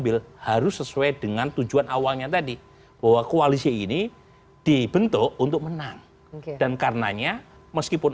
will harus sesuai dengan tujuan awalnya tadi bahwa koalisi ini dibentuk untuk menang dan karenanya meskipun